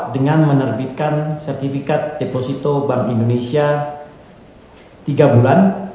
dengan menerbitkan sertifikat deposito bank indonesia tiga bulan